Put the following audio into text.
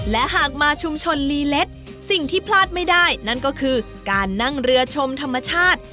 และหากมาชุมชนลีเล็ตสิ่งที่พลาดไม่ได้นั่นก็คือการนั่งเรือชมธรรมชาติ